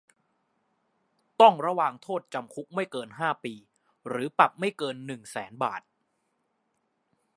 ต้องระวางโทษจำคุกไม่เกินห้าปี หรือปรับไม่เกินหนึ่งแสนบาท